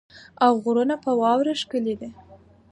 او غرونه په واوره ښکلې دي.